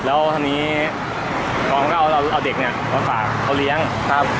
แล้วทำเนี้ยพร้อมก็เอาเอาเด็กเนี้ยเอาฝากเขาเลี้ยงครับ